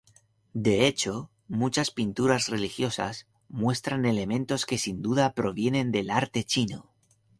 De hecho, muchas pinturas religiosas, muestran elementos que sin duda provienen del arte chino.